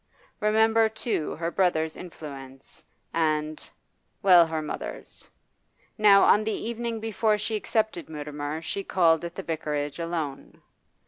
Remember, too, her brother's influence, and well, her mother's. Now, on the evening before she accepted Mutimer she called at the Vicarage alone.